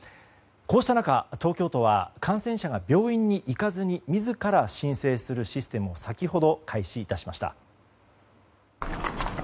こうした中、東京都は感染者が病院に行かずに自ら申請するシステムを先ほど開始いたしました。